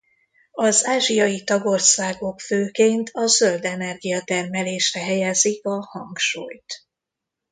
Az ázsiai tagországok főként a zöld energiatermelésre helyezik a hangsúlyt.